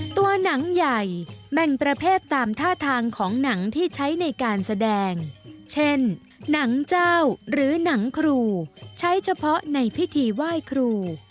ตัวหนังใหญ่แบ่งประเภทตามท่าทางของหนังที่ใช้ในการแสดงเช่นหนังเจ้าหรือหนังครูใช้เฉพาะในพิธีไหว้ครู